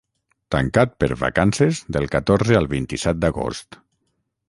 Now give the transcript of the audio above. tancat per vacances del catorze al vint-i-set d'agost